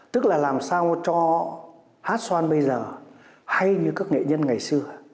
tức là làm sao cho hát xoan bây giờ hay như các nghệ nhân ngày xưa